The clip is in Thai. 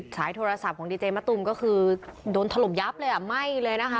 สายโทรศัพท์ของดีเจมะตูมก็คือโดนถล่มยับเลยอ่ะไหม้เลยนะคะ